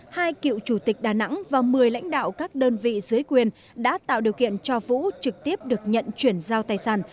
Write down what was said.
hai cựu chủ tịch đà nẵng và một mươi lãnh đạo các đơn vị dưới quyền đã tạo điều kiện cho vũ trực tiếp được nhận chuyển giao tài sản